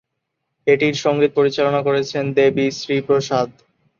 এটির সঙ্গীত পরিচালনা করেছেন দেবী শ্রী প্রসাদ।